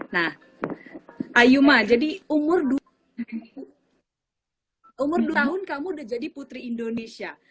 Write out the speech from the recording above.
nah ayuma jadi umur dua tahun kamu udah jadi putri indonesia